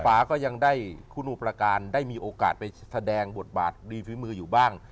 ฟ้าก็ยังได้คุณอุประการได้มีโอกาสไปแสดงบทบาทดีฝีมืออยู่บ้าง